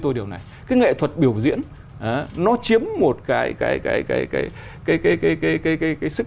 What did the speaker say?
tôi điều này cái nghệ thuật biểu diễn nó chiếm một cái cái cái cái cái cái cái cái cái cái cái sức